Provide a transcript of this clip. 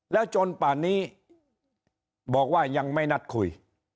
แล้วจนป่านนี้บอกว่ายังไม่นัดคุย